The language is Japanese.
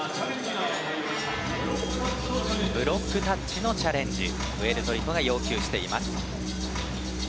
ブロックタッチのチャレンジをプエルトリコが要求しています。